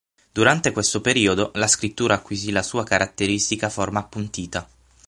Durante questo periodo la scrittura acquisì la sua caratteristica forma appuntita.